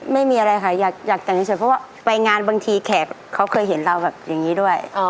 เพราะว่าไปงานบางทีแขกเค้าเคยเห็นเราแบบนี้ด้วย